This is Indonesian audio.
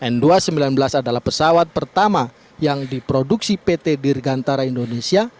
n dua ratus sembilan belas adalah pesawat pertama yang diproduksi pt dirgantara indonesia